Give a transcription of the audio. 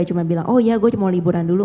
cuma bilang oh ya gue mau liburan dulu